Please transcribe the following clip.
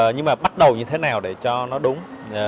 nhưng mà bắt đầu như thế nào để cho nó đúng